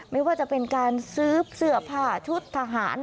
ไม่ว่าจะเป็นการซื้อเสื้อผ้าชุดทหาร